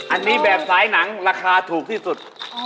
อันนี้แบบสายหนังราคาถูกที่สุด